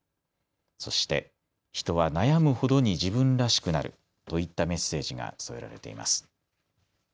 そして、人は悩むほどに自分らしくなるといったメッセージが添えられています。